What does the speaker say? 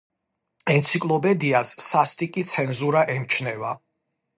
ენციკლოპედიას სასტიკი ცენზურა ემჩნევა.